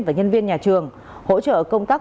và nhân viên nhà trường hỗ trợ công tác